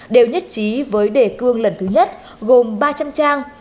đều nhất trí với đề cương lần thứ nhất gồm ba trăm linh trang